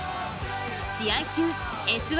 試合中、「Ｓ☆１」